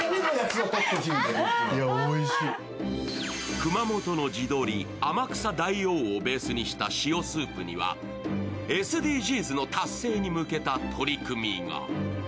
熊本の地鶏、天草大王をベースにした塩スープには、ＳＤＧｓの達成に向けた取り組みが。